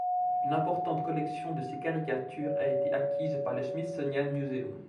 Une importante collection de ses caricatures a été acquise par le Smithsonian Museum.